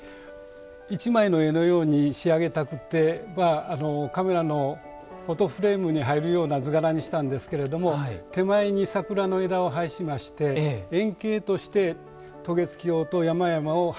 一枚の絵のように仕上げたくてカメラのフォトフレームに入るような図柄にしたんですけれども手前に桜の枝を配しまして遠景として渡月橋と山々を配しました。